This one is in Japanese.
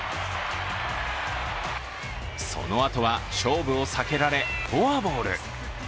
そのあとは勝負を避けられ、フォアボール。